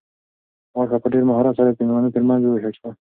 غوښه په ډېر مهارت سره د مېلمنو تر منځ وویشل شوه.